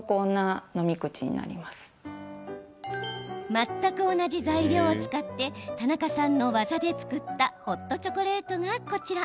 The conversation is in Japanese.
全く同じ材料を使って田中さんの技で作ったホットチョコレートがこちら。